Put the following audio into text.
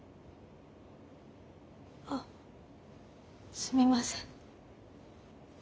あすみません。